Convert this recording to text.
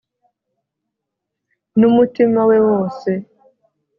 nu mutima we wose